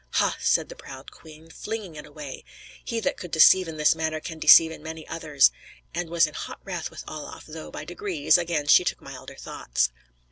"Ha," said the proud queen, flinging it away, "he that could deceive in this matter can deceive in many others!" And was in hot wrath with Olaf; though, by degrees, again she took milder thoughts.